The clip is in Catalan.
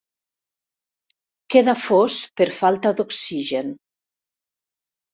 Queda fos per falta d'oxigen.